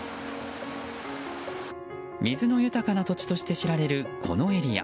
水の豊かな土地として知られるこのエリア。